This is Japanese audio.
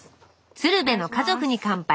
「鶴瓶の家族に乾杯」